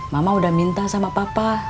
mama udah minta sama papa